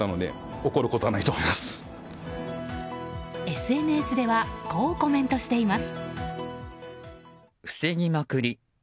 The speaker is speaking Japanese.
ＳＮＳではこうコメントしています。